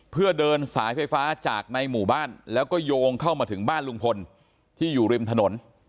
เพื่อเดินสายไฟฟ้าจากในหมู่บ้านแล้วก็โยงเข้ามาถึงบ้านลุงพลที่อยู่ริมถนน